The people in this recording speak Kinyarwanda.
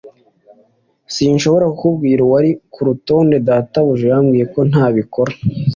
sinshobora kukubwira uwari kurutonde databuja yambwiye ko ntabikora